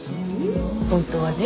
本当はね。